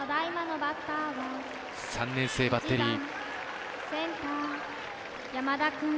３年生バッテリー。